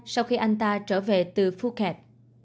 sau khi anh ta trở về từ phuket